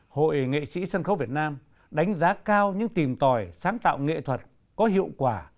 hội nghệ sĩ sân khấu việt nam đánh giá cao những tìm tòi sáng tạo nghệ thuật có hiệu quả